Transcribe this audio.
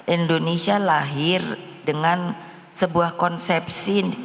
indonesia lahir dengan sebuah konsepsi